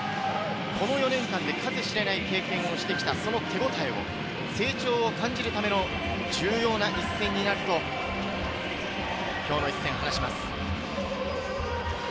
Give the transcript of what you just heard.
この４年間で数知れない経験をしてきたその手応えを成長を感じるための重要な一戦になると、今日の一戦、話します。